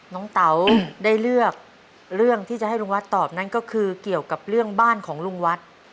เตาได้เลือกเรื่องที่จะให้ลุงวัดตอบนั่นก็คือเกี่ยวกับเรื่องบ้านของลุงวัด